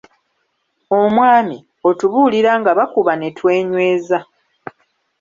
Omwami, otubuulira nga bakuba ne twenyweza.